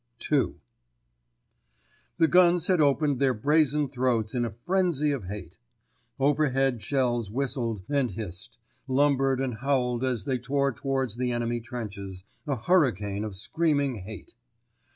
*II* The guns had opened their brazen throats in a frenzy of hate. Overhead shells whistled and hissed, lumbered and howled as they tore towards the enemy trenches, a hurricane of screaming hate.